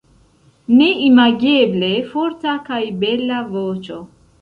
Neimageble forta kaj bela voĉo.